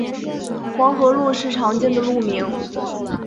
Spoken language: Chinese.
黄河路是常见的路名。